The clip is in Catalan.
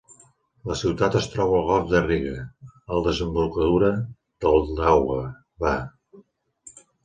La ciutat es troba al golf de Riga, al desembocadura del Daugava.